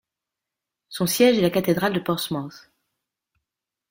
Son siège est la cathédrale de Portsmouth.